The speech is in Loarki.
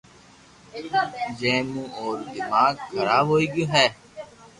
جو مون او رو دماغ خراب ھوئي گيو ھي